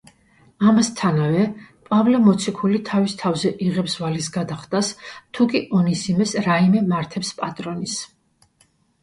ამასთანავე, პავლე მოციქული თავის თავზე იღებს ვალის გადახდას, თუ კი ონისიმეს რაიმე მართებს პატრონის.